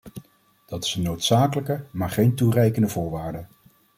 Dat is een noodzakelijke, maar geen toereikende voorwaarde.